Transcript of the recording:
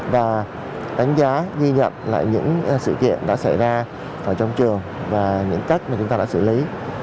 và đánh giá ghi nhận lại những sự kiện đã xảy ra ở trong trường và những cách mà chúng ta đã xử lý